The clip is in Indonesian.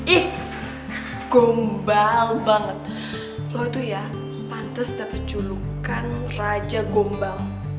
ih gombal banget lo itu ya pantes dapat julukan raja gombal